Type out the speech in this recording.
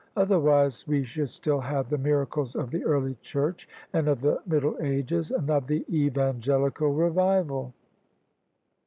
Otherwise we should still have the miracles of the early Church and of the Middle ages and of the Evangelical Revival."